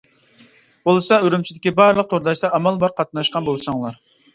بولسا ئۈرۈمچىدىكى بارلىق تورداشلار ئامال بار قاتناشقان بولساڭلار.